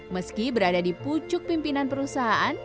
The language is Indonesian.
meski berada di pucuk pimpinan perusahaan